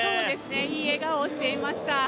いい笑顔をしていました。